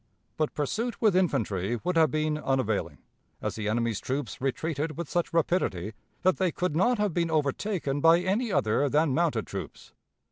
But pursuit with infantry would have been unavailing, as the enemy's troops retreated with such rapidity that they could not have been overtaken by any other than mounted troops.